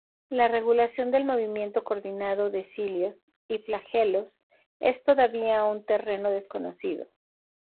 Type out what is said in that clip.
La regulación del movimiento coordinado de cilios y flagelos es todavía un terreno desconocido.